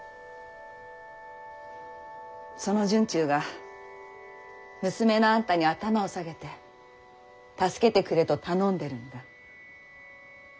その惇忠が娘のあんたに頭を下げて助けてくれと頼んでるんだ。